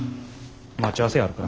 待ち合わせあるから。